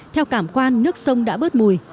theo cảm quan nước sông đã bớt mùi